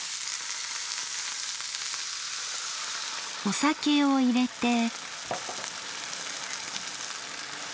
お酒を入れて。